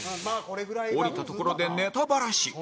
降りたところでネタバラシ